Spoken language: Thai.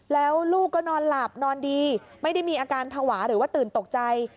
แล้วลูกก็นอนหลับนอนดีไม่ได้มีอาการภาวะหรือว่าตื่นตกใจ